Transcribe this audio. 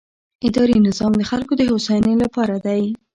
اداري نظام د خلکو د هوساینې لپاره دی.